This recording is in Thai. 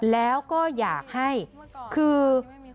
แล้วก็อยากให้คือ